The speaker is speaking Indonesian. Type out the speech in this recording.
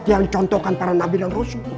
tidak apa endam